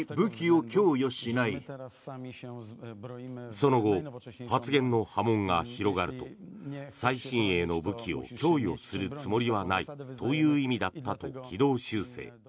その後、発言の波紋が広がると最新鋭の武器を供与するつもりはないという意味だったと軌道修正。